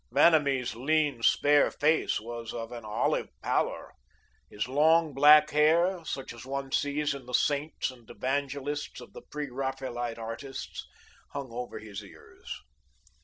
Vanamee's lean, spare face was of an olive pallor. His long, black hair, such as one sees in the saints and evangelists of the pre Raphaelite artists, hung over his ears.